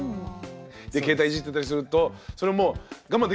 携帯いじってたりするとそれもう我慢できなくなっちゃうから。